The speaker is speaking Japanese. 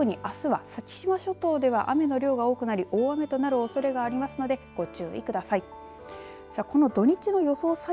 特にあすは先島諸島では雨の量が多くなり大雨となるおそれがありますのでご注意ください。